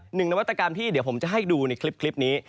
นวัตกรรมที่เดี๋ยวผมจะให้ดูในคลิปนี้